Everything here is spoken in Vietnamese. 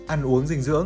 ăn uống dinh dưỡng